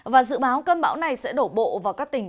và dự báo cơn bão này sẽ đổ bộ vào các tỉnh